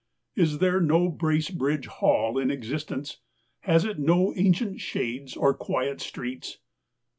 Is there no Bracebridge Hall in existence? Has it no ancient shades or quiet streets